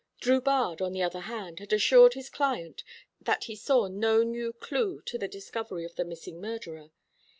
Drubarde, on the other hand, had assured his client that he saw no new clue to the discovery of the missing murderer.